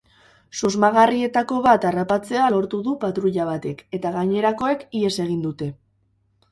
Susmagarrietako bat harrapatzea lortu du patruila batek, eta gainerakoek ihes egin dute.